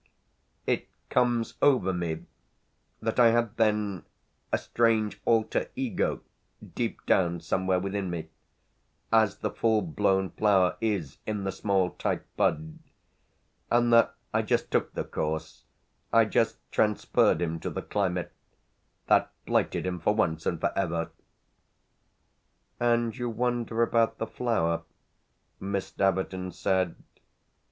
It comes over me that I had then a strange alter ego deep down somewhere within me, as the full blown flower is in the small tight bud, and that I just took the course, I just transferred him to the climate, that blighted him for once and for ever." "And you wonder about the flower," Miss Staverton said.